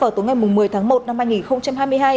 vào tối ngày một mươi tháng một năm hai nghìn hai mươi hai